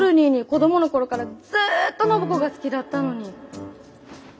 子供の頃からずっと暢子が好きだったのに。